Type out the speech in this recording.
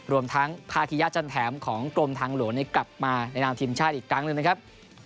รวมทั้งภาคิยะจันแถมของกรมทางหลวงกลับมาในนามทีมชาติอีกครั้งหนึ่งนะครับ